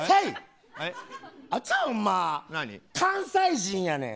関西人やねん。